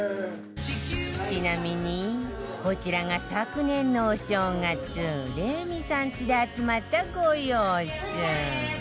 ちなみにこちらが昨年のお正月レミさんちで集まったご様子